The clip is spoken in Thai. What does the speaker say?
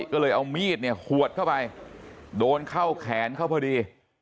ก็เลยเอามีดเนี่ยขวดเข้าไปโดนเข้าแขนเขาพอดี